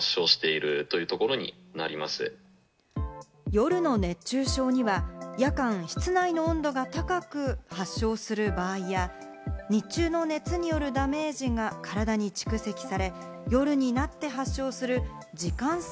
夜の熱中症には夜間、室内の温度が高く、発症する場合や、日中の熱によるダメージが体に蓄積され、夜になって発症する時間差